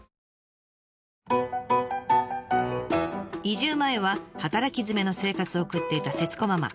移住前は働きづめの生活を送っていた節子ママ。